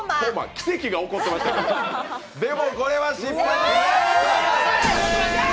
奇跡が起こってました、でもこれは失格。